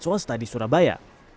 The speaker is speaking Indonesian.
sosial di surabaya